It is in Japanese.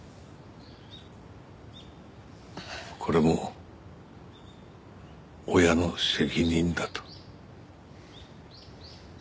これも親の責任だと。